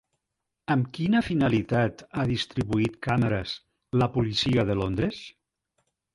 Amb quina finalitat ha distribuït càmeres la policia de Londres?